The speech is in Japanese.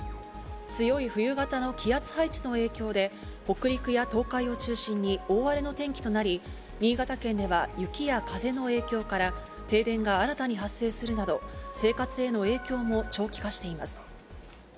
強い冬型の気圧配置の影響で、北陸や東海を中心に大荒れの天気となり、新潟県では雪が風の影響から、停電が新たに発生するなど、生活への影響も長期化しています。